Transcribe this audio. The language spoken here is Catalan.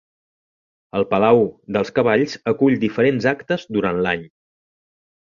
El Palau dels cavalls acull diferents actes durant l'any.